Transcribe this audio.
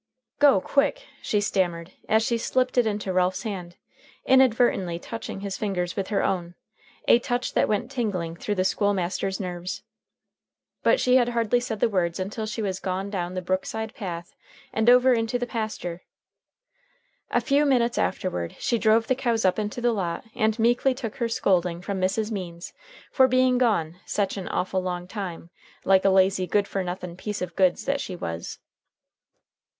"Go quick!" she stammered as she slipped it Into Ralph's hand, inadvertently touching his fingers with her own a touch that went tingling through the school master's nerves. But she had hardly said the words until she was gone down the brookside path and over into the pasture. A few minutes afterward she drove the cows up into the lot and meekly took her scolding from Mrs. Means for being gone sech an awful long time, like a lazy, good fer nothin piece of goods that she was.